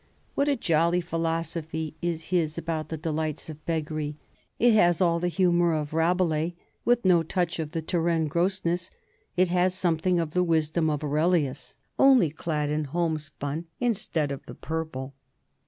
What a jolly philosophy is his about the delights of beggary! It has all the humor of Rabelais with no touch of the Touraine grossness. It has something of the wisdom of Aurelius, only clad in homespun instead of the purple.